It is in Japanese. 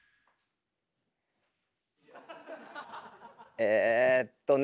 えっとね。